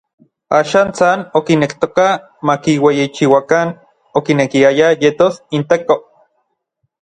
Axan san okinektoka makiueyichiuakan, okinekiaya yetos inTeko.